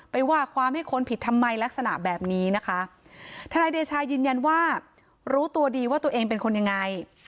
ว่าความให้คนผิดทำไมลักษณะแบบนี้นะคะทนายเดชายืนยันว่ารู้ตัวดีว่าตัวเองเป็นคนยังไง